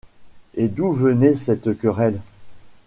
Et d’où venait cette querelle?